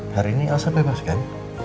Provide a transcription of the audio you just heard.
hari ini alasan bebas kan